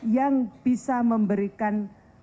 yang bisa memberikan